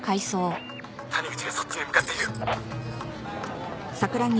谷口がそっちに向かっている